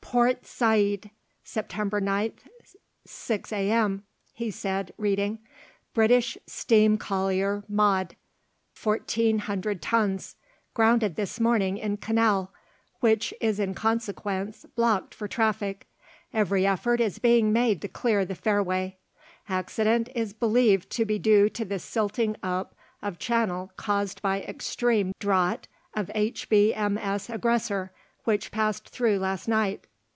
"Port Said, September 9th, 6.0 a.m.," he said, reading; "_British steam collier Maude, 1,400 tons, grounded this morning in canal, which is in consequence blocked for traffic. Every effort is being made to clear the fairway. Accident is believed to be due to the silting up of channel caused by extreme draught of H.B.M.S. Aggressor which passed through last night.